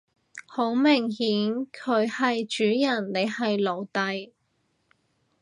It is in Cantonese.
好明顯佢係主人你係奴隸